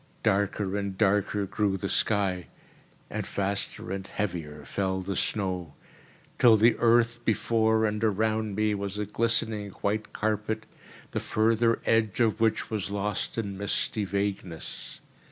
Darker and darker grew the sky, and faster and heavier fell the snow, till the earth before and around me was a glistening white carpet the further edge of which was lost in misty vagueness.